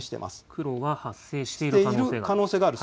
黒は発生している可能性がある。